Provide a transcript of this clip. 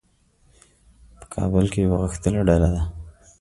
په کابل کې یوه غښتلې ډله ده.